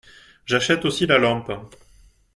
J’achète aussi la lampe.